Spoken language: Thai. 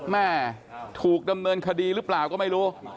แม่ถูกดำเนินคดีหรือเปล่าก็ไม่รู้